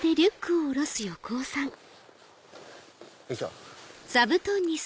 よいしょ。